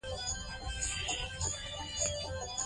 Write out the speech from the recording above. څېړنې لا روانې دي.